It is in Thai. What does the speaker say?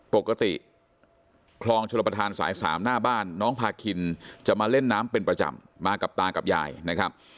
ปกติคลองชลประธานสาย๓หน้าบ้านน้องพาคินจะมาเล่นน้ำเป็นประจำมากับตากับยายนะครับ